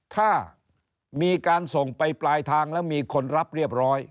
ถ้ามีการส่งไปปลายทางแล้วมีคนรับเรียบร้อย